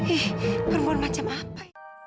ih perempuan macam apa